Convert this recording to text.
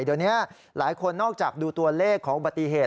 เดี๋ยวนี้หลายคนนอกจากดูตัวเลขของอุบัติเหตุ